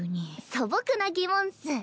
素朴な疑問っス。